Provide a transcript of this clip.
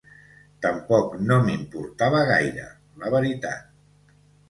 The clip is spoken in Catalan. Tampoc no m'importava gaire, la veritat.